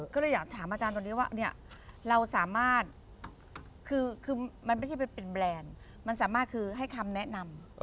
ก็เลยอยากถามอาจารย์ตรงนี้ว่าเราสามารถคือมันไม่ใช่เป็นแบรนด์มันสามารถคือให้คำแนะนำ